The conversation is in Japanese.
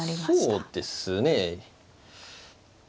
そうですね。